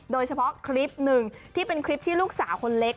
โดยเฉพาะคลิปหนึ่งที่เป็นคลิปที่ลูกสาวคนเล็ก